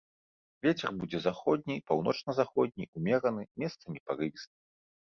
Вецер будзе заходні, паўночна-заходні, умераны, месцамі парывісты.